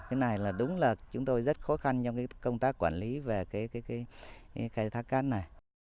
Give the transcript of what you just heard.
cái này là đúng là chúng tôi rất khó khăn trong công tác quản lý về cái khai thác cát này